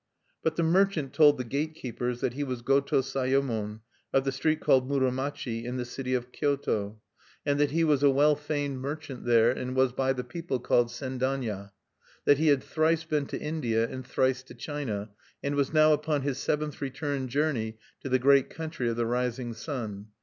But the merchant told the gate keepers that he was Goto Sayemon, of the street called Muromachi, in the city of Kyoto; that he was a well famed merchant there, and was by the people called Sendanya; that he had thrice been to India and thrice to China, and was now upon his seventh return journey to the great country of the Rising Sun.